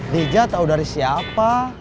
diza tahu dari siapa